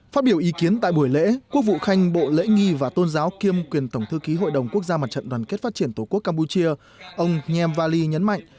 phát biểu ý kiến tại buổi lễ quốc vụ khanh bộ lễ nghi và tôn giáo kiêm quyền tổng thư ký hội đồng quốc gia mặt trận đoàn kết phát triển tổ quốc campuchia ông nham vali nhấn mạnh